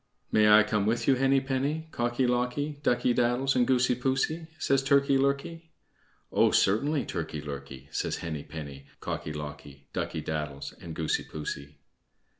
"May I come with you, Henny penny, Cocky locky, Ducky daddles, and Goosey poosey?" says Turkey lurkey. "Oh, certainly, Turkey lurkey," says Henny penny, Cocky locky, Ducky daddles, and Goosey poosey.